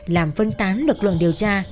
làm phân tán lực lượng điều tra